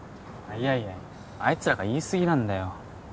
いやいやあいつらが言いすぎなんだよ